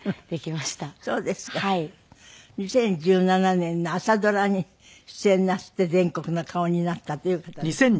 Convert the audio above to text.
２０１７年の朝ドラに出演なすって全国の顔になったっていう方ですけど。